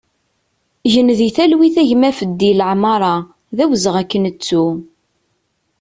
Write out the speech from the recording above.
Gen di talwit a gma Feddi Lamara, d awezɣi ad k-nettu!